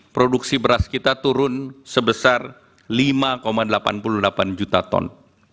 produksi beras kita turun sebesar lima delapan puluh delapan juta ton